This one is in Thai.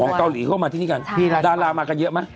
เกาหลีเข้ามาที่นี่กันดารามากันเยอะไหม